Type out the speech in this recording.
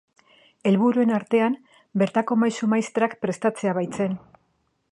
Helburuen artean bertako maisu-maistrak prestatzea baitzen.